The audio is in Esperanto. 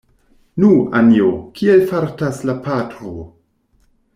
Nu, Anjo, kiel fartas la patro?